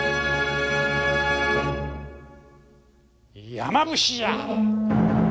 山伏じゃ！